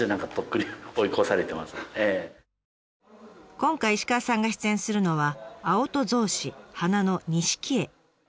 今回石川さんが出演するのは「青砥稿花紅彩画」。